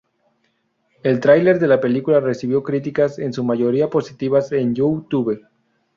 El trailer de la película recibió críticas en su mayoría positivas en YouTube.